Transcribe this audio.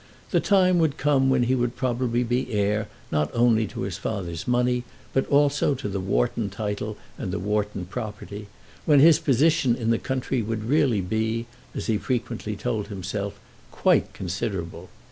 The time would come when he would probably be heir not only to his father's money, but also to the Wharton title and the Wharton property, when his position in the country would really be, as he frequently told himself, quite considerable.